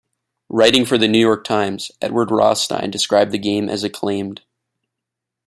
Writing for the New York Times, Edward Rothstein described the game as acclaimed.